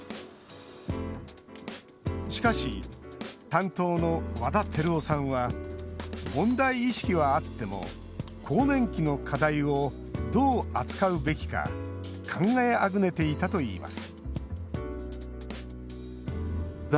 しかし、担当の和田輝夫さんは問題意識はあっても更年期の課題をどう扱うべきか考えあぐねていたといいます